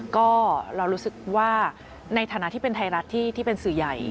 ก็เรารู้สึกว่าในฐานะที่เป็นไทยรัฐที่เป็นสื่อใหญ่